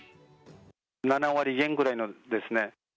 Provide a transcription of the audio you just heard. ７割減ぐらいですね。